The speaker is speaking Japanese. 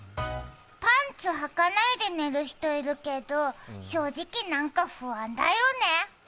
パンツはかないで寝る人いるけど、正直、なんか不安だよね。